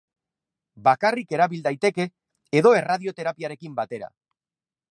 Bakarrik erabil daiteke edo erradioterapiarekin batera.